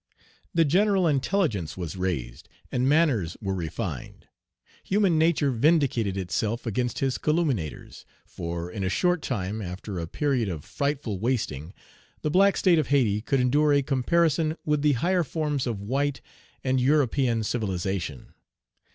The general intelligence was raised, and manners were refined. Human nature vindicated itself against his calumniators; for, in a short time, after a period of frightful wasting, the black State of Hayti could endure a comparison with the higher forms of white and European civilization.